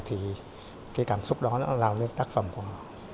thì cái cảm xúc đó nó lào lên tác phẩm của họ